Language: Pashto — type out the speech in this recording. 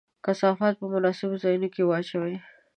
کثافات په مناسبو ځایونو کې واچوئ.